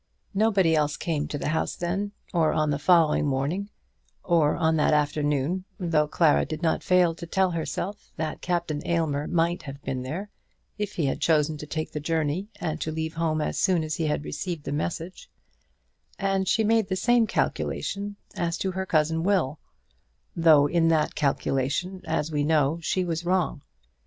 Nobody else came to the house then, or on the following morning, or on that afternoon, though Clara did not fail to tell herself that Captain Aylmer might have been there if he had chosen to take the journey and to leave home as soon as he had received the message; and she made the same calculation as to her cousin Will, though in that calculation, as we know, she was wrong.